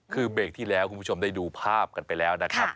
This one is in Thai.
คือเบรกที่แล้วคุณผู้ชมได้ดูภาพกันไปแล้วนะครับ